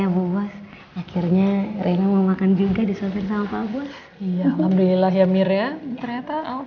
pesawat airbus dari qatar